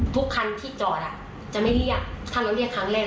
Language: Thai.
ทุกคันที่จอดอ่ะจะไม่เรียกถ้าเราเรียกครั้งแรกเราก็ต้องเรียกครั้งที่สอง